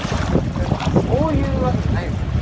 いやそういうわけじゃないから。